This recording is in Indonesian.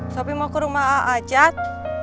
sopi mau ke rumah aajat